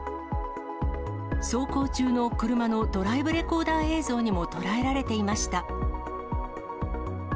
走行中の車のドライブレコーダー映像にも捉えられていました。